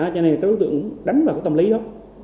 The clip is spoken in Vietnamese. cho nên các đối tượng đánh vào tâm lý đó